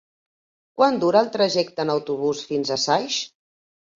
Quant dura el trajecte en autobús fins a Saix?